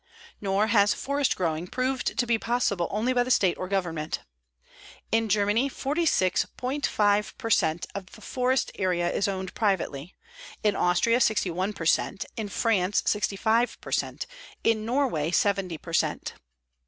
Nor has forest growing proved to be possible only by the State or Government. In Germany 46.5 per cent of the forest area is owned privately, in Austria 61 per cent, in France 65 per cent, in Norway 70 per cent.